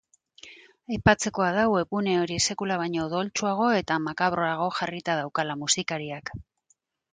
Aipatzekoa da webgune hori sekula baino odoltsuago eta makraboago jarrita daukala musikariak.